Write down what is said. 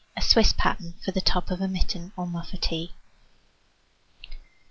A Swiss Pattern for the Top of a Mitten or Muffatee.